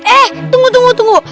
eh tunggu tunggu